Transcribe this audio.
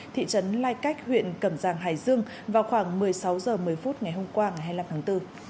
thị trấn lai cách huyện cẩm giang hải dương vào khoảng một mươi sáu h một mươi phút ngày hôm qua ngày hai mươi năm tháng bốn